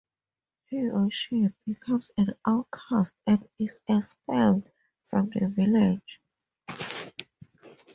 He or she becomes an outcast and is expelled from the village.